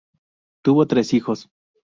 Tuvo tres hijos